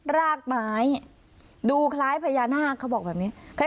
รากไม้ดูคล้ายพญานาคเขาบอกแบบนี้